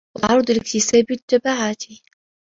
وَالتَّعَرُّضِ لِاكْتِسَابِ التَّبِعَاتِ